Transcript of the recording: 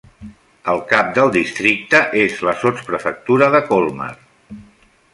El cap del districte és la sotsprefectura de Colmar.